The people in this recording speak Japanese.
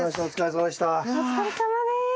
お疲れさまでした。